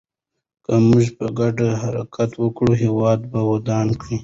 که موږ په ګډه حرکت وکړو، هېواد به ودان کړو.